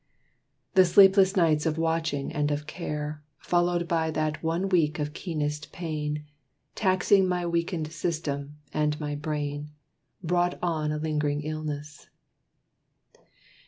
The sleepless nights of watching and of care, Followed by that one week of keenest pain, Taxing my weakened system, and my brain, Brought on a ling'ring illness.